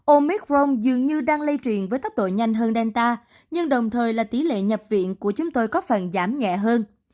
omic rong dường như đang lây truyền với tốc độ nhanh hơn delta nhưng đồng thời là tỷ lệ nhập viện của chúng tôi có phần giảm nhẹ hơn